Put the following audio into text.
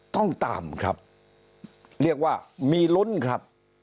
ต้องตามครับเรียกว่ามีลุ้นครับ